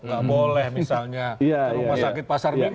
nggak boleh misalnya ke rumah sakit pasar minggu